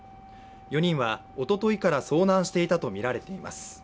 ４人はおとといから遭難していたとみられています。